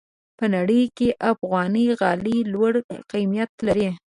په نړۍ کې افغاني غالۍ لوړ قیمت لري.